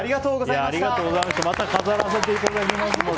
また飾らせていただきますので。